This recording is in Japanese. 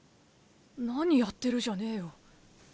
何やってるじゃねえよ。